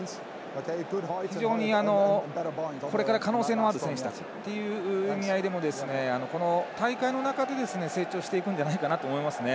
非常に、これから可能性のある選手たちっていう意味合いでもこの大会の中で成長していくんじゃないかなと思いますね。